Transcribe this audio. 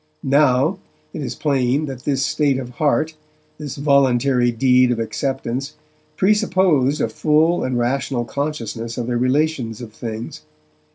Now, it is plain that this state of heart, this voluntary deed of acceptance, presupposed a full and rational consciousness of the relations of things.